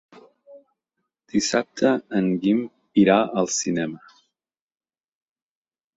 Dissabte en Guim irà al cinema.